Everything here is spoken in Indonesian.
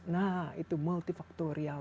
nah itu multifaktorial